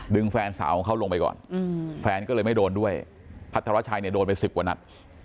แฟนสาวของเขาลงไปก่อนแฟนก็เลยไม่โดนด้วยพัทรชัยเนี่ยโดนไป๑๐กว่านัด